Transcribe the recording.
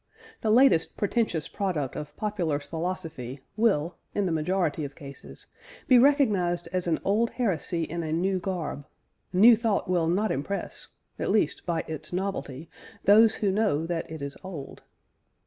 The latest pretentious product of popular philosophy will, in the majority of cases, be recognised as an old heresy in a new garb; "new" thought will not impress (at least, by its novelty) those who know that it is old.